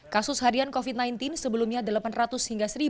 kasus harian covid sembilan belas sebelumnya delapan ratus hingga satu ratus